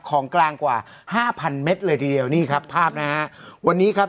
ของกลางกว่าห้าพันเมตรเลยทีเดียวนี่ครับภาพนะฮะวันนี้ครับ